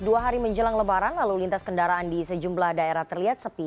dua hari menjelang lebaran lalu lintas kendaraan di sejumlah daerah terlihat sepi